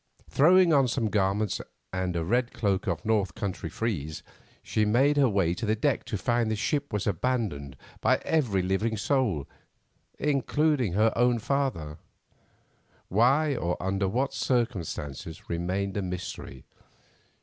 Throwing on some garments, and a red cloak of North country frieze, she made her way to the deck to find that the ship was abandoned by every living soul, including her own father; why, or under what circumstances, remained a mystery.